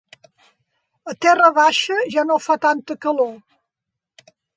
A Terra baixa ja no fa tanta calor.